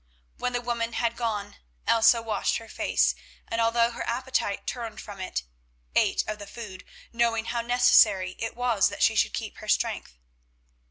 When the woman had gone, Elsa washed her face, and although her appetite turned from it, ate of the food, knowing how necessary it was that she should keep her strength.